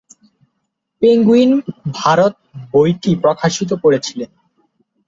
Penguin Bharat বইটি প্রকাশ করেছিল।